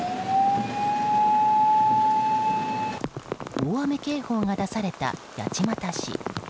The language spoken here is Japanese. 大雨警報が出された八街市。